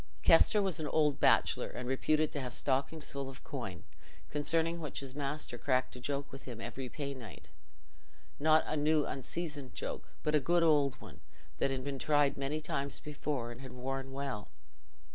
Kester was an old bachelor and reputed to have stockings full of coin, concerning which his master cracked a joke with him every pay night: not a new unseasoned joke, but a good old one, that had been tried many times before and had worn well.